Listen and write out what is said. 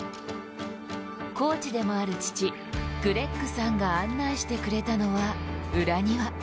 コーチでもある父・グレッグさんが案内してくれたのは裏庭。